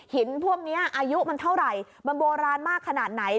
พวกนี้อายุมันเท่าไหร่มันโบราณมากขนาดไหน